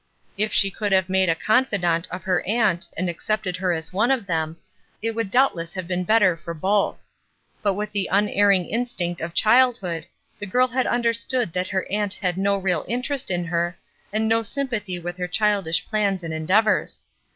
If she could have made a confidante of her aunt and accepted her as one of them, it would doubt less have been better for both; but with the unerring instinct of childhood the Uttle girl had understood that her aunt had no real interest in her, and no sympathy with her childish plans and endeavors.